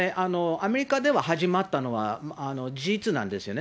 アメリカでは始まったのは事実なんですよね。